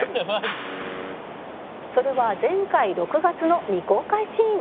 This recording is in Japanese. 「それは前回６月の未公開シーン」